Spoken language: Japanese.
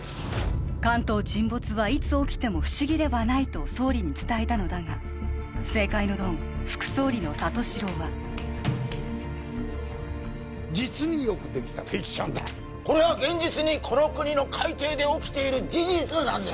関東沈没はいつ起きても不思議ではないと総理に伝えたのだが政界のドン副総理の里城は実によくできたフィクションだこれは現実にこの国の海底で起きている事実なんです